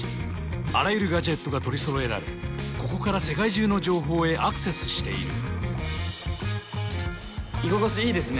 あらゆるガジェットが取りそろえられここから世界中の情報へアクセスしている居心地いいですね